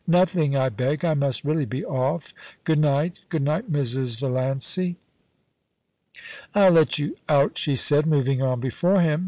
* Nothing, I beg. I must really be off. Good night Good night, Mrs. Valiancy.' * I'll let you out,' she said, moving on before him.